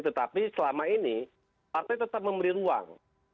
tetapi selama ini partai tetap memberi ruang